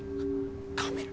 カメラ！